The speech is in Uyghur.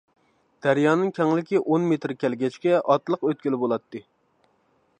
دەريانىڭ كەڭلىكى ئون مېتىر كەلگەچكە ئاتلىق ئۆتكىلى بولاتتى.